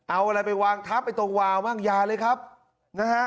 เอาอะไรไปวางทับไปตรงวาวบ้างอย่าเลยครับนะฮะ